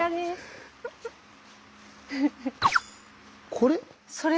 これ？